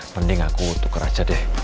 mending aku tuker aja deh